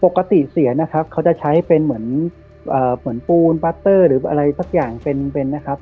ปกติเสียนะครับเขาจะใช้เป็นเหมือนปูนปัสเตอร์หรืออะไรสักอย่างเป็นนะครับ